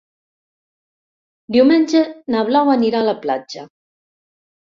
Diumenge na Blau anirà a la platja.